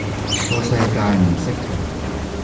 個世界唔識停